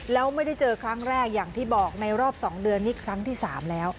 แล้วไม่ได้เจอครั้งแรกอย่างที่บอกในรอบ๒เดือนนี่ครั้งที่๓แล้ว